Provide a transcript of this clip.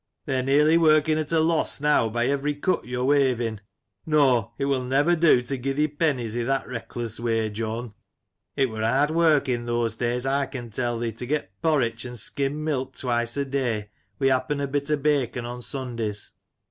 They're nearly working at a loss now by every cut yo weyving. No, it'll never do to gie thee pennies i' that reckless way, Jone.' It wur hard wark i' thoose days, I con tell thi, to get porritch and skim milk twice a day, wi' happen a bit o' bacon on Sundays.